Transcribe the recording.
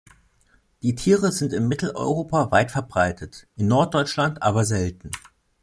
Die Tiere sind in Mitteleuropa weit verbreitet, in Norddeutschland aber selten.